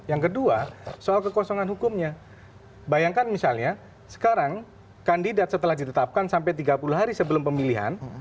yang kedua soal kekosongan hukumnya bayangkan misalnya sekarang kandidat setelah ditetapkan sampai tiga puluh hari sebelum pemilihan